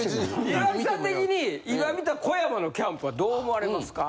岩城さん的に今見た小山のキャンプはどう思われますか？